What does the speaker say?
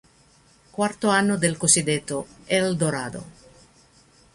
Quarto anno del cosiddetto "El Dorado".